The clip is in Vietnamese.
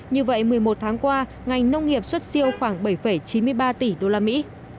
như vậy một mươi một tháng qua ngành nông nghiệp xuất siêu khoảng bảy chín mươi ba tỷ đô la mỹ